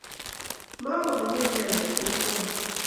Makomenyei inendet kokwani